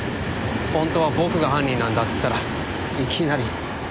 本当は僕が犯人なんだって言ったらいきなり。